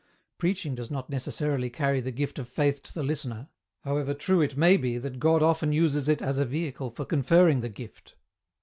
Preaching does not necessarily carry the gift of Faith to the listener, however true it may be that God often uses it as a vehicle for conferring the gift.